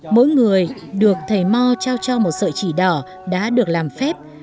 mỗi người được thầy mo trao cho một sợi chỉ đỏ đã được làm phép